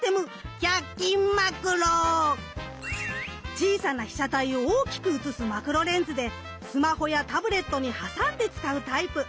小さな被写体を大きく写すマクロレンズでスマホやタブレットに挟んで使うタイプ。